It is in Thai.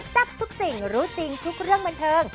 ทับทุกสิ่งรู้จริงทุกเรื่องบันเทิง